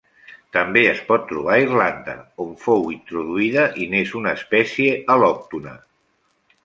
També es pot trobar a Irlanda, on fou introduïda i n'és una espècie al·lòctona.